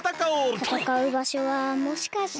たたかうばしょはもしかして。